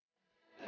pengecut lu semua